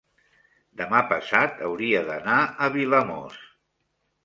demà passat hauria d'anar a Vilamòs.